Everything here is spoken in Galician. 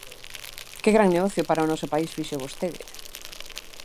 ¡Que gran negocio para o noso país fixo vostede!